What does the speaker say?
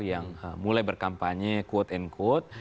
yang mulai berkampanye quote unquote